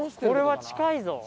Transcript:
これは近いぞ。